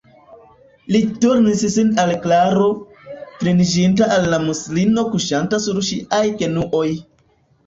Li turnis sin al Klaro, kliniĝinta al la muslino kuŝanta sur ŝiaj genuoj.